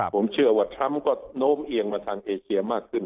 ผมเชื่อว่าทรัมป์ก็โน้มเอียงมาทางเอเชียมากขึ้น